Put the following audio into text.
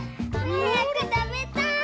はやくたべたい！